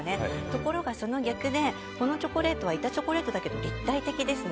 ところが、その逆でこのチョコレートは板チョコレートだけど立体的です。